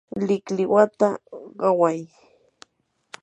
liqliqata qaway